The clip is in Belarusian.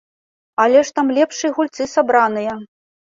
Але ж там лепшыя гульцы сабраныя!